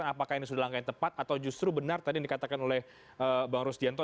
apakah ini sudah langkah yang tepat atau justru benar tadi yang dikatakan oleh bang rusdianto